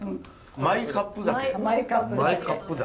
マイカップ酒。